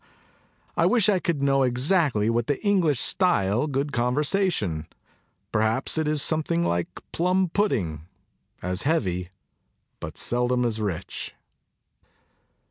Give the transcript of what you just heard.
"I wish I could know exactly what the English style good conversation. Probably it is something like plum pudding, as heavy, but seldom as rich."